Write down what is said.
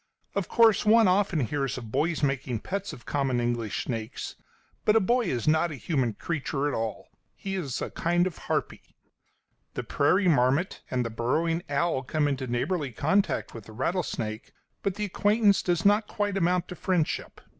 Of course one often hears of boys making pets of common English snakes, but a boy is not a human creature at all; he is a kind of harpy. [Illustration: LANDLORD.] [Illustration: LODGER.] The prairie marmot and the burrowing owl come into neighbourly contact with the rattlesnake, but the acquaintance does not quite amount to friendship.